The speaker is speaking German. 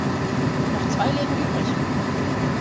Noch zwei Leben übrig.